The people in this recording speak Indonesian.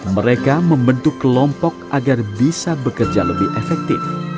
mereka membentuk kelompok agar bisa bekerja lebih efektif